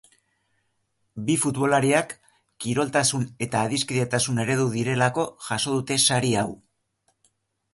Bi futbolariak kiroltasun eta adiskidetasun eredu direlako jaso dute sari hau.